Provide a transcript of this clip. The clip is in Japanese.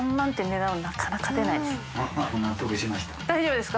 大丈夫ですか？